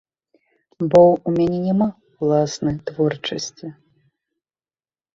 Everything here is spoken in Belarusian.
Бо ў мяне няма ўласнай творчасці.